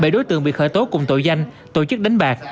bảy đối tượng bị khởi tố cùng tội danh tổ chức đánh bạc